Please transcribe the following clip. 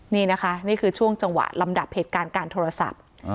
นี่นะคะนี่คือช่วงจังหวะลำดับเหตุการณ์การโทรศัพท์